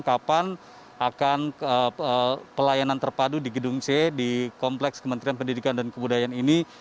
kapan akan pelayanan terpadu di gedung c di kompleks kementerian pendidikan dan kebudayaan ini